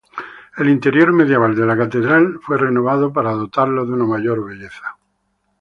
El interior medieval de la catedral fue renovado para dotarla de una mayor belleza.